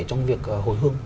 trong việc hồi hương